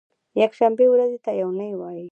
یکشنبې ورځې ته یو نۍ وایی